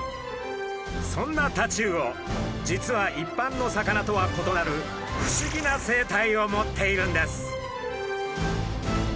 そんなタチウオ実は一般の魚とは異なる不思議な生態を持っているんです。